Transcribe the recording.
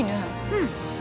うん。